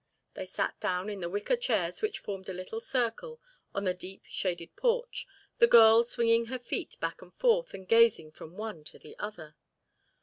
They sat down in the wicker chairs which formed a little circle on the deep, shaded porch, the girl swinging her feet back and forth and gazing from one to the other.